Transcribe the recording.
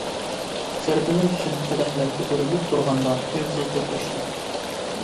شەرىپىمىز ئۈچۈن قەدەھلەر كۆتۈرۈلۈپ تۇرغاندا تۇيۇقسىز توك ئۆچتى.